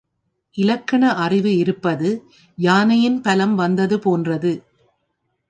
இலக்கண அறிவு இருப்பது யானையின் பலம் வந்தது போன்றது.